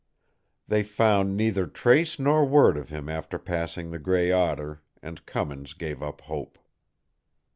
They found neither trace nor word of him after passing the Gray Otter, and Cummins gave up hope.